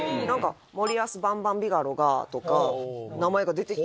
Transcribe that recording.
「もりやすバンバンビガロが」とか名前が出てきて。